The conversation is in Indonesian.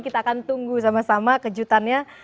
kita akan tunggu sama sama kejutannya